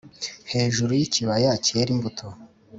hejuru yikibaya cyera imbuto!